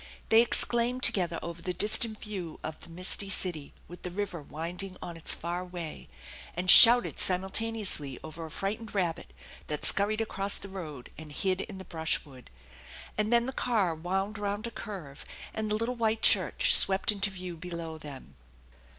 They ex claimed together over the distant view of the misty city with the river winding on its far way, and shouted simultaneously over a frightened rabbit that scurried across the road and hid in the brushwood ; and then the car wound round a curve and the little white church swept into view below them.